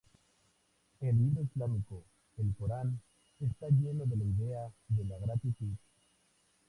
El libro islámico, el Corán, está lleno de la idea de la gratitud.